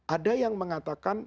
ada yang mengatakan